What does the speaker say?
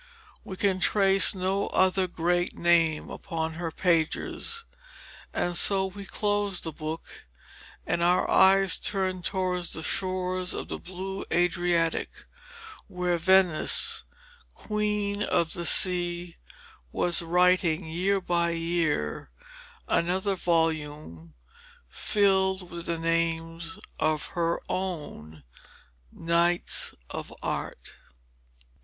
We can trace no other great name upon her pages and so we close the book, and our eyes turn towards the shores of the blue Adriatic, where Venice, Queen of the Sea, was writing, year by year, another volume filled with the names of her own Knights of Art.